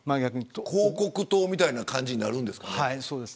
広告塔みたいな形になるんですか。